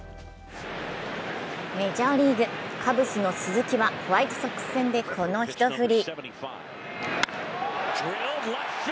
メジャーリーグ、カブスの鈴木はホワイトソックス戦で、この一振り。